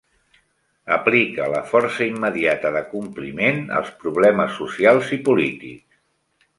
Aplica la força immediata d'acompliment als problemes socials i polítics.